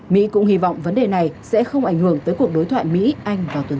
mỹ cũng hy vọng vấn đề này sẽ không ảnh hưởng tới cuộc đối thoại mỹ anh vào tuần tới